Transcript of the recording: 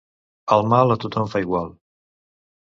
El mal a tothom fa igual.